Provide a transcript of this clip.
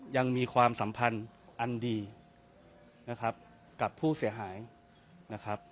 ยังมีความสัมพันธ์อันดีนะครับกับผู้เสียหายนะครับ